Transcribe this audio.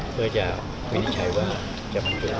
เพื่อจะควินิจฉัยว่าจะมาดูกันใหม่